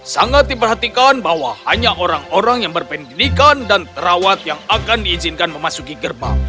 sangat diperhatikan bahwa hanya orang orang yang berpendidikan dan terawat yang akan diizinkan memasuki gerbang